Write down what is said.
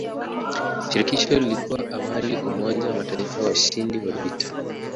Shirikisho lilikuwa awali umoja wa mataifa washindi wa vita.